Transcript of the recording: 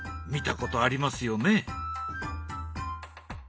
見たことありますよね？